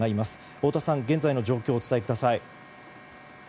太田さん、現在の状況をお伝えください。